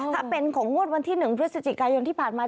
ถ้าเป็นของงวดวันที่๑พฤศจิกายนที่ผ่านมา